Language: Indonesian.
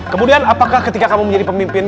kemudian apakah ketika kamu menjadi pemimpin